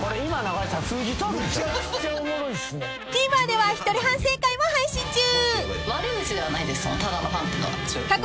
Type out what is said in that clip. ［ＴＶｅｒでは一人反省会も配信中］